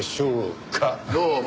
どうも。